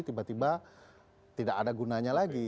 tiba tiba tidak ada gunanya lagi